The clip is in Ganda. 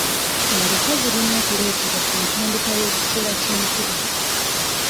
Endokwa zirina okuleetebwa ku ntandikwa y'ekiseera ky'enkuba.